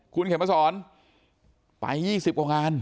คุณเข็มมาสอนไป๒๐กว่างาน